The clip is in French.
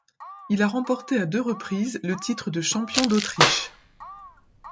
Il a remporté à deux reprises le titre de champion d'Autriche.